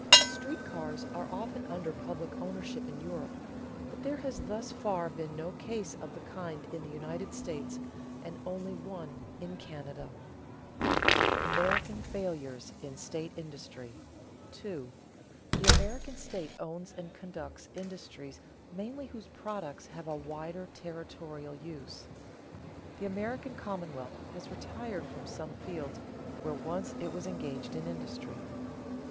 Street railroads are often under public ownership in Europe; but there has thus far been no case of the kind in the United States, and only one in Canada. [Sidenote: American failures in state industry] 2. The American state owns and conducts industries mainly whose products have a wider territorial use. The American commonwealth has retired from some fields where once it was engaged in industry.